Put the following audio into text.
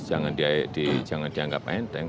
jangan dianggap enteng